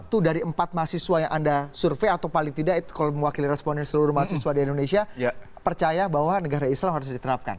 jadi satu dari empat mahasiswa yang anda survei atau paling tidak itu kalau mewakili responden seluruh mahasiswa di indonesia percaya bahwa negara islam harus diterapkan